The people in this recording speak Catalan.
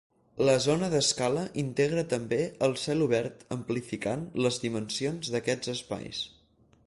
La zona d'escala integra també el cel obert amplificant les dimensions d'aquests espais.